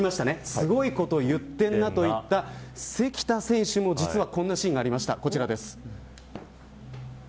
すごいこと言ってんなといった関田選手にもこんなシーンがありました。